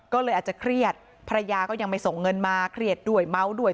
ก็เลยอาจจะเครียดภรรยาก็ยังไม่ส่งเงินมาเครียดด้วยเมาด้วย